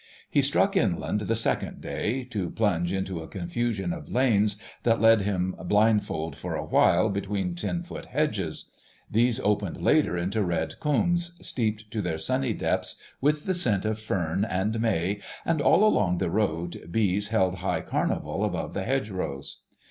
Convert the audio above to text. He struck inland the second day, to plunge into a confusion of lanes that led him blindfold for a while between ten foot hedges. These opened later into red coombes, steeped to their sunny depths with the scent of fern and may, and all along the road bees held high carnival above the hedgerows.